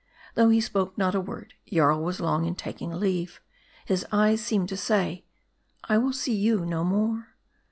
Though he spoke not a word, Jarl was long in taking leave. His eyes seemed to say, I will see you no more.